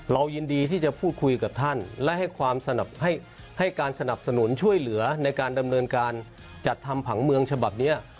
ยินดีที่จะพูดคุยกับท่านและให้การสนับสนุนช่วยเหลือในการดำเนินการจัดทำผังเมืองฉบับนี้